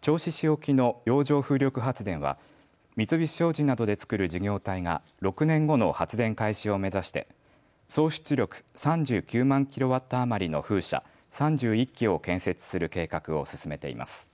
銚子市沖の洋上風力発電は三菱商事などでつくる事業体が６年後の発電開始を目指して総出力３９万キロワット余りの風車３１基を建設する計画を進めています。